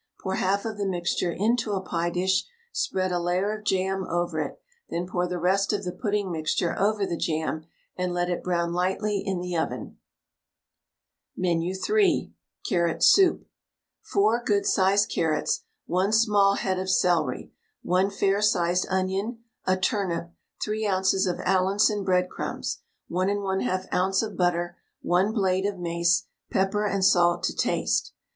Pour half of the mixture into a pie dish, spread a layer of jam over it, then pour the rest of the pudding mixture over the jam, and let it brown lightly in the oven. MENU III. CARROT SOUP. 4 good sized carrots, 1 small head of celery, 1 fair sized onion, a turnip, 3 oz. of Allinson breadcrumbs, 1 1/2 oz. of butter, 1 blade of mace, pepper and salt to taste.